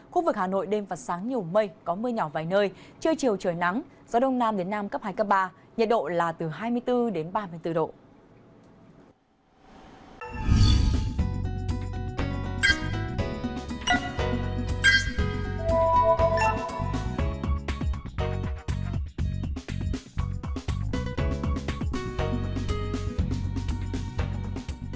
khu vực hà nội đêm và sáng nhiều mây có mưa nhỏ vài nơi chưa chiều trời nắng gió đông nam đến nam cấp ba nhiệt độ là từ hai mươi bốn đến ba mươi bốn độ